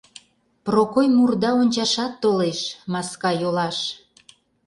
Прокой мурда ончашат толеш, маска йолаш.